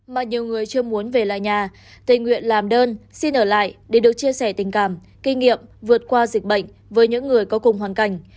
mà nhiều người chưa muốn về lại nhà tình nguyện làm đơn xin ở lại để được chia sẻ tình cảm kinh nghiệm vượt qua dịch bệnh với những người có cùng hoàn cảnh